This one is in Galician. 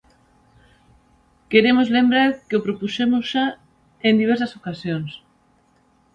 Queremos lembrar que o propuxemos xa en diversas ocasións.